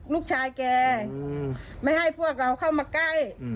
ลูกชายแกไม่ให้พวกเราเข้ามาใกล้